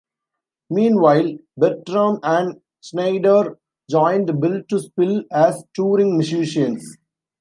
Meanwhile, Bertram and Schneider joined Built to Spill as touring musicians.